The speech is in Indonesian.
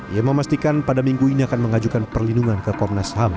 ia memastikan pada minggu ini akan mengajukan perlindungan ke komnas ham